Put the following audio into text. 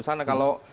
di sana kalau